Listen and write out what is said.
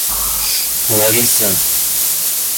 Лариса